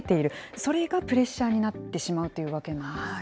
それがプレッシャーになってしまうというわけなんですね。